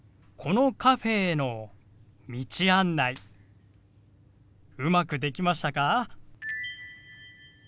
このカフェへの道案内うまくできましたか？